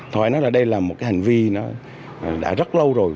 thôi nói là đây là một cái hành vi đã rất lâu rồi